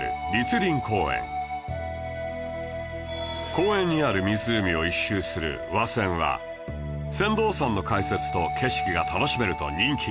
公園にある湖を１周する和船は船頭さんの解説と景色が楽しめると人気